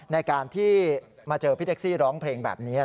ในการที่มาเจอพี่แท็กซี่ร้องเพลงแบบนี้